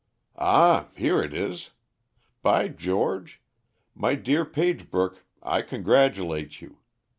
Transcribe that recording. "Ah! here it is. By George! My dear Pagebrook, I congratulate you.